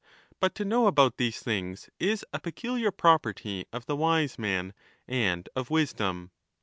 But to know about these things is a peculiar property of the wise man and of wisdom.